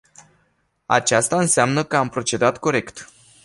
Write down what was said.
Aceasta înseamnă că am procedat corect.